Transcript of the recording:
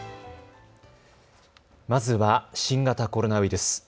まずは新型コロナウイルス。